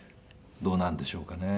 どうなんでしょうかね。